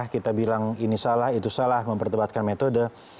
kita bilang ini salah itu salah memperdebatkan metode